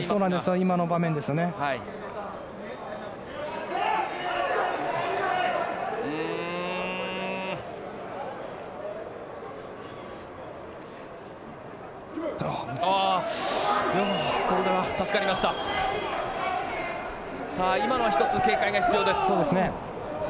今のは１つ、警戒が必要です。